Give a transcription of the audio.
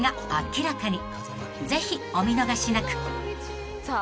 ［ぜひお見逃しなく］さあ